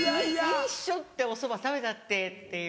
「いいっしょ」って「おそば食べたって」っていう。